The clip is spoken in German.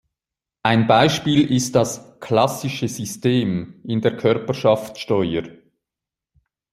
Ein Beispiel ist das "Klassische System" in der Körperschaftsteuer.